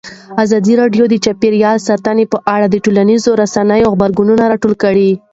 ازادي راډیو د چاپیریال ساتنه په اړه د ټولنیزو رسنیو غبرګونونه راټول کړي.